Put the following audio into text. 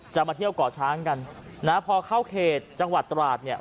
มาเที่ยวก่อช้างกันนะพอเข้าเขตจังหวัดตราดเนี่ย